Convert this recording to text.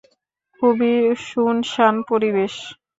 খুবই শুনশান পরিবেশ।